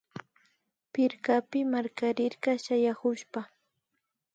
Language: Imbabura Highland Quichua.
Pirkapi markarirka shayakushpa